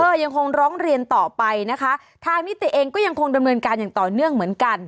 ยังคงร้องเรียนต่อไปนะคะทางนิติเองก็ยังคงดำเนินการอย่างต่อเนื่องเหมือนกัน